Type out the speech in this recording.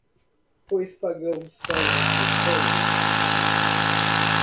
Pois pagamos sangue por sangue